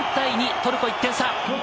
トルコ、１点差。